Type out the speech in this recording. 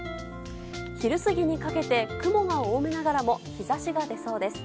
昼過ぎにかけて雲が多めながらも日差しが出そうです。